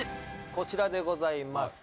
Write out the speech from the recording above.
こちらでございます